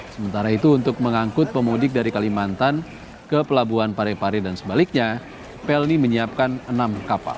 sementara itu untuk mengangkut pemudik dari kalimantan ke pelabuhan parepare dan sebaliknya pelni menyiapkan enam kapal